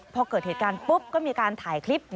พอเกิดเหตุการณ์ปุ๊บก็มีการถ่ายคลิป